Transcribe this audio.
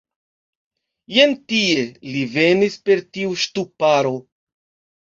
Jen tie, li venis per tiu ŝtuparo.